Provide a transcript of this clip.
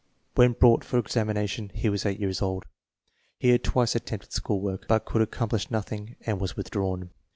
When brought for examination he was 8 years old. He had twice attempted school work, but could accomplish nothing and was withdrawn.